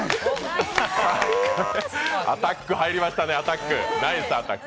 アタック入りましたね、ナイスアタック。